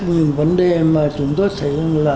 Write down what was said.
những vấn đề mà chúng tôi thấy